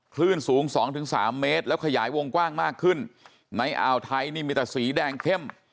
คลื่นสูง๒๓เมตรแล้วขยายวงกว้างมากขึ้นในอ่าวไทยนี่มีแต่สีแดงเข้ม